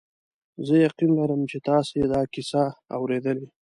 زه یقین لرم چې تاسي دا کیسه اورېدلې.